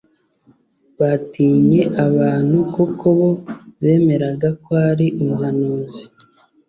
batinye abantu kuko bo bemeraga ko ari umuhanuzi